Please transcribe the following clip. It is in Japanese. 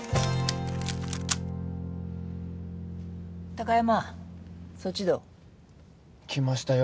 貴山そっちどう？来ましたよ